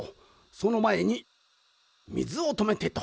そのまえにみずをとめてと。